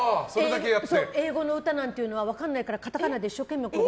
英語の歌なんていうのは分かんないから、カタカナで一生懸命。